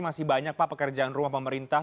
masih banyak pak pekerjaan rumah pemerintah